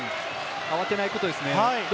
慌てないことですね。